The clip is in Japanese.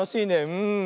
うん。